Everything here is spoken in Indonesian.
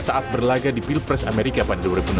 saat berlaga di pilpres amerika pada dua ribu enam belas